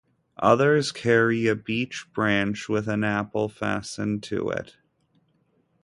Others carry a beech branch with an apple fastened to it.